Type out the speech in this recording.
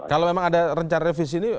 kalau memang ada rencana revisi ini